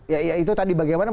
ya itu tadi bagaimana